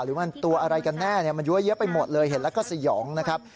หรือมันตัวอะไรกันแน่มันเยอะไปหมดเลยเห็นแล้วก็สยองนะครับ